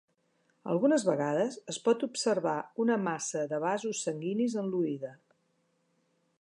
Algunes vegades, es pot observar una massa de vasos sanguinis en l'oïda.